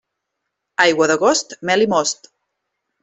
Aigua d'agost, mel i most.